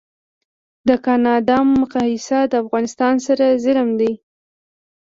د کانادا مقایسه د افغانستان سره ظلم دی